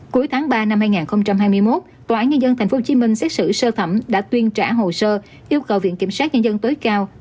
cuối tháng ba năm hai nghìn hai mươi một tòa án nhân dân tp hcm xét xử sơ thẩm đã tuyên trả hồ sơ yêu cầu viện kiểm sát nhân dân tối cao